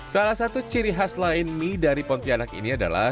salah satu ciri khas lain mie dari pontianak ini adalah